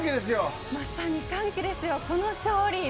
まさに歓喜ですよ。